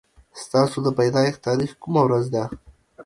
ستاسو د پيدايښت تاريخ کومه ورځ ده